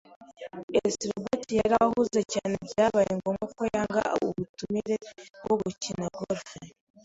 [S] Robert yari ahuze cyane byabaye ngombwa ko yanga ubutumire bwo gukina golf.